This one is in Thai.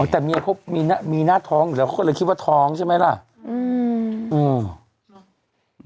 อ๋อแต่เนี้ยพวกมีหน้ามีหน้าท้องอยู่แล้วคนเลยคิดว่าท้องใช่ไหมล่ะอืม